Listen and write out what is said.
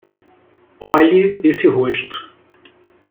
Olhe esse rosto.